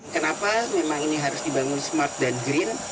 kenapa memang ini harus dibangun smart dan green